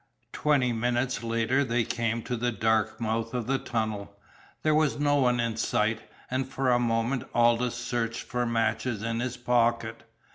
Twenty minutes later they came to the dark mouth of the tunnel. There was no one in sight, and for a moment Aldous searched for matches in his pocket.